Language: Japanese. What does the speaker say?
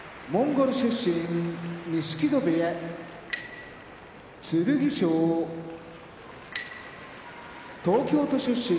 出身錦戸部屋剣翔東京都出身